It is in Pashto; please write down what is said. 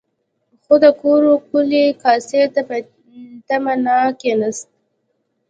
خو د کورو کلي کاسې ته په تمه نه کېناست.